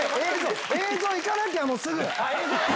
映像いかなきゃ、もう、すぐ。